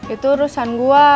itu urusan gue